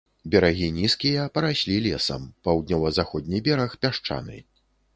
Берагі нізкія, параслі лесам, паўднёва-заходні бераг пясчаны.